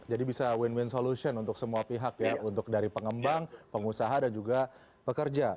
jadi bisa win win solution untuk semua pihak ya untuk dari pengembang pengusaha dan juga pekerja